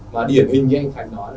mà điển hình như anh khánh nói là